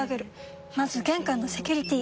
まず玄関のセキュリティ！